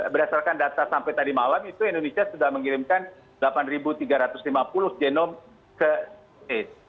berdasarkan data sampai tadi malam itu indonesia sudah mengirimkan delapan tiga ratus lima puluh genom ke aids